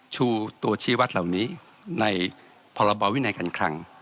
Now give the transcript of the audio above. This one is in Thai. ชูตัวชี้วัดเหล่านี้ในพรบวินัยการคลัง